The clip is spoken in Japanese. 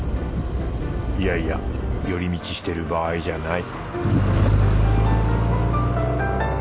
いやいや寄り道してる場合じゃない